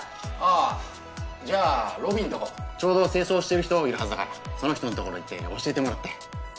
あじゃあロビーんとこちょうど清掃してる人いるはずだからその人ん所に行って教えてもらって。